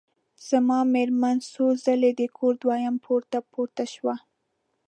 زما مېرمن څو ځلي د کور دویم پوړ ته پورته شوه.